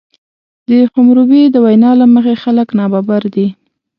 د حموربي د وینا له مخې خلک نابرابر دي.